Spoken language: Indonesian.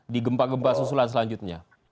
di gempa gempa susulan selanjutnya